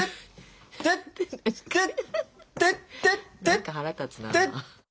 何か腹立つな。